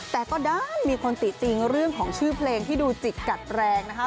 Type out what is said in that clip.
แต่ก็ด้านมีคนติจริงเรื่องของชื่อเพลงที่ดูจิตกัดแรงนะคะ